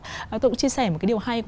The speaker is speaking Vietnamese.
tôi cũng chia sẻ một cái điều hay